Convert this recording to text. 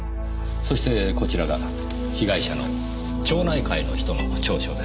そしてこちらが被害者の町内会の人の調書です。